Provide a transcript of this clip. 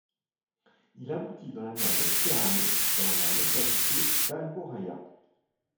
Il aboutit dans la mer Méditerranée dans la localité de Alboraya.